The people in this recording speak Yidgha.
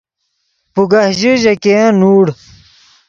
وو پوگہ ژے، ژے ګین نوڑ